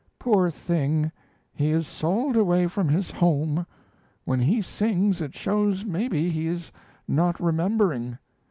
"Poor thing! He is sold away from his home. When he sings it shows maybe he is not remembering.